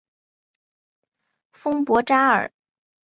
丰博扎尔。